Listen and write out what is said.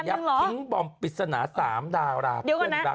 ทิ้งบอมปริศนา๓ดาราเพื่อนรัก